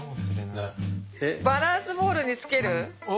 バランスボールにつける？